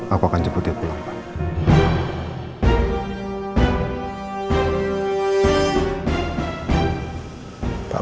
aku akan jemput dia pulang pak